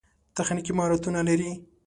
تخنیکي مهارتونه لري.